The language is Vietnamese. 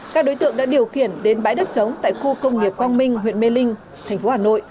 các đối tượng đã điều khiển đến bãi đất trống tại khu công nghiệp quang minh huyện mê linh thành phố hà nội